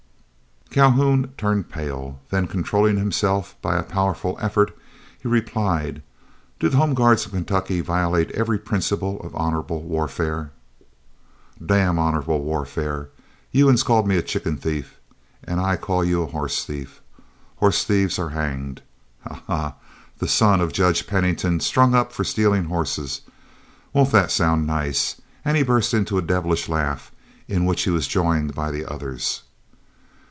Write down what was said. Calhoun turned pale, then controlling himself by a powerful effort, he replied: "Do the Home Guards of Kentucky violate every principle of honorable warfare?" "Damn honorable warfare! Yo uns called me a chicken thief; I call you a hoss thief. Hoss thieves air hanged. Ha! ha! the son of Judge Pennington strung up fo' stealin' hosses! Won't that sound nice?" and he burst into a devilish laugh, in which he was joined by the others.